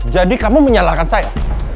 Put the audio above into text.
jadi kamu menyalahkan saya